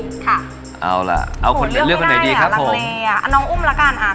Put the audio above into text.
ค่ะเอาล่ะเอาคนเลือกให้หน่อยดีครับผมอ่ะน้องอุ้มละกันอ่ะ